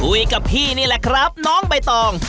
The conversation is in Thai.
คุยกับพี่นี่แหละครับน้องใบตอง